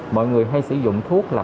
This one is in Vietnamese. mọi người hay sử dụng thuốc là